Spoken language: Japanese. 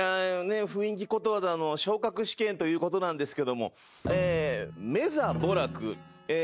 雰囲気ことわざの昇格試験ということなんですが。